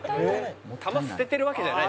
球捨ててるわけじゃない。